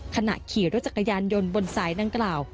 ขณะขี่รถจักรยานยนต์บนสายดังกล่าว